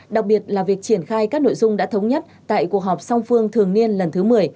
đặc biệt là việc triển khai các nội dung đã thống nhất tại cuộc họp song phương thường niên lần thứ một mươi